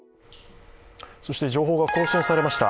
そして情報が更新されました。